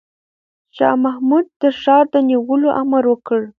شاه محمود د ښار د نیولو امر وکړ.